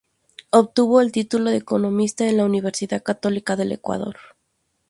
Obtuvo el título de economista en la Universidad Católica del Ecuador.